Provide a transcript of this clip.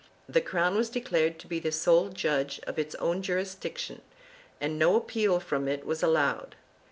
The crown was declared to be the sole judge of its own jurisdiction, and no appeal from it was allowed.